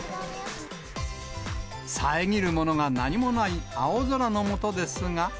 遮るものが何もない青空の下ですが。